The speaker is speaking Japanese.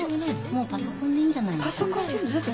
もうパソコンでいいんじゃないでしょうか。